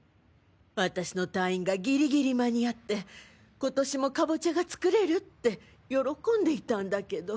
私の退院がギリギリ間に合って今年もカボチャが作れるって喜んでいたんだけど。